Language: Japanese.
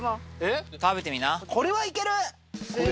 これはいける。